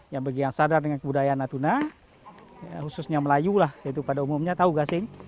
yang sedar dengan kebudayaan natuna khususnya melayu lah pada umumnya tahu gasing